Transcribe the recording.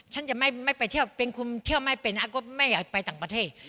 ฉันจะไม่ไปเที่ยวเป็นคุมเที่ยวไม่เป็นก็ไม่อยากไปต่างประเทศ